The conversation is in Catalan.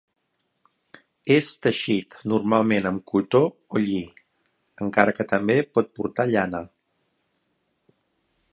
És teixit normalment amb cotó o lli, encara que també pot portar llana.